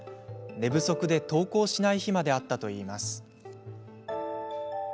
寝不足で登校しない日まであったといいます。